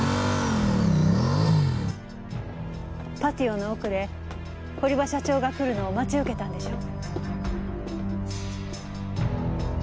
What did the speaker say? パティオの奥で堀場社長が来るのを待ち受けたんでしょう？